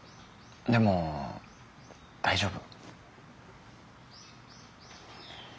でも大丈夫。